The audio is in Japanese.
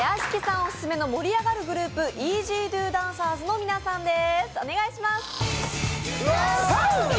オススメの盛り上がるグループ、イージードゥダンサーズの皆さんです。